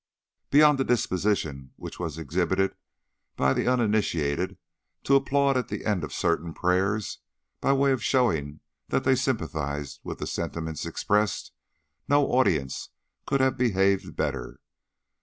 Beyond a disposition which was exhibited by the uninitiated to applaud at the end of certain prayers, by way of showing that they sympathised with the sentiments expressed, no audience could have behaved better.